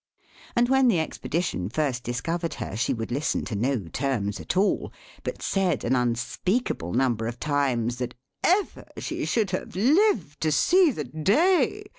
And when the Expedition first discovered her, she would listen to no terms at all, but said, an unspeakable number of times, that ever she should have lived to see the day!